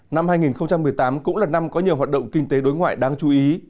năm hai nghìn một mươi tám cũng là năm có nhiều hoạt động kinh tế đối ngoại đáng chú ý